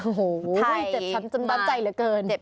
โอ้โหจำนวนใจเหลือเกิน